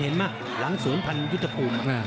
เห็นไหมหลังศูนย์พันธุ์ยุติภูมิ